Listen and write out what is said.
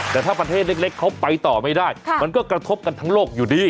แต่ถ้าประเทศเล็กเขาไปต่อไม่ได้มันก็กระทบกันทั้งโลกอยู่ดี